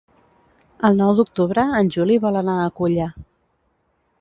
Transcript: El nou d'octubre en Juli vol anar a Culla.